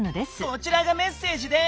こちらがメッセージです！